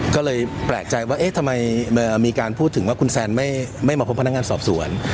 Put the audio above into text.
ก็เลยแปลกใจว่าเอ๊ะทำไมมีการพูดถึงว่าคุณแซนไม่มาพบพนักงานสอบสวน